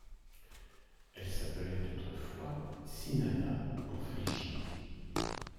Elle s'appelait autrefois Synnada en Phrygie.